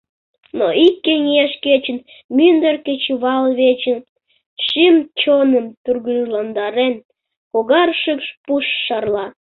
Но ик кеҥеж кечын мӱндыр кечывалвечын, шӱм-чоным тургыжландарен, когар шикш пуш шарла.